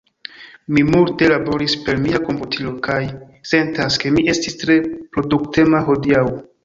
Mi multe laboris per mia komputilo, kaj sentas, ke mi estis tre produktema hodiaŭ.